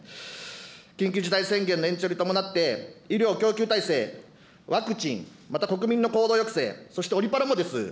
緊急事態宣言の延長に伴って、医療供給体制、ワクチン、また国民の行動抑制、そしてオリパラもです。